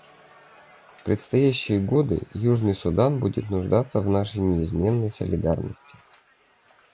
В предстоящие годы Южный Судан будет нуждаться в нашей неизменной солидарности.